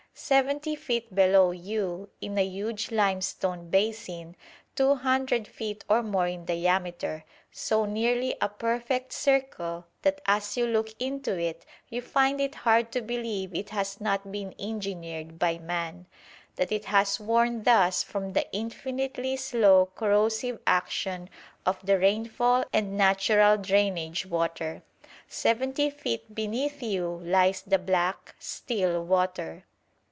Seventy feet below you in a huge limestone basin, two hundred feet or more in diameter so nearly a perfect circle that as you look into it you find it hard to believe it has not been engineered by man, that it has worn thus from the infinitely slow corrosive action of the rainfall and natural drainage water seventy feet beneath you lies the black, still water.